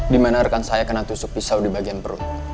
dimanarkan saya kena tusuk pisau di bagian perut